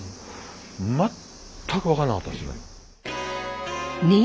全く分からなかったですね。